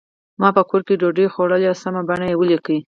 ما په کور کې ډوډۍ خوړلې وه سمه بڼه ولیکئ.